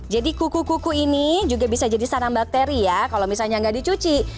jadi kuku kuku ini juga bisa jadi sarang bakteri ya kalau misalnya nggak dicuci